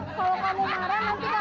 kalau kamu marah nanti kakak tom sedih